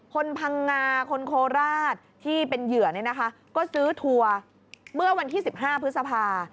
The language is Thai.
คนพังงาคนโคราชที่เป็นเหยื่อซื้อทัวร์เมื่อวันที่๑๕พฤษภา